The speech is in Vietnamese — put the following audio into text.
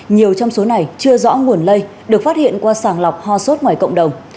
nhiều trong số này chưa rõ nguồn lây được phát hiện qua sàng lọc ho sốt ngoài cộng đồng